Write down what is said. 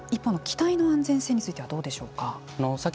機体の安全性についてはどうでしょうか。